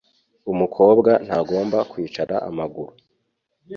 Umukobwa ntagomba kwicara amaguru